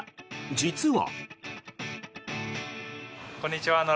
実は。